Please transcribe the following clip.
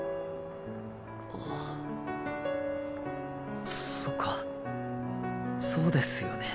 あそっかそうですよね。